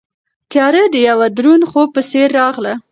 تیاره د یوه دروند خوب په څېر راغله.